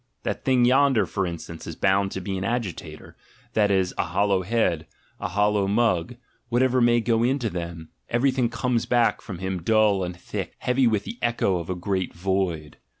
That thing yonder, for instance, is bound to be an agitator, that is, a hollow head, a hollow mug: whatever may go into him, everything comes back from him dull and thick, heavy with the echo of the great void.